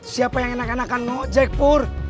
siapa yang enakan enakan ngejek pur